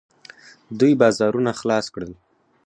دوی بازارونه خلاص کړل.